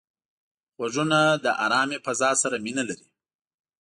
غوږونه له آرامې فضا سره مینه لري